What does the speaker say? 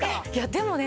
でもね